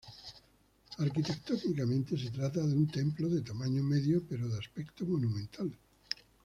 Arquitectónicamente se trata de un templo de tamaño medio pero de aspecto monumental.